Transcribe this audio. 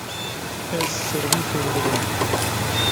Ez sirbî fêr dibim.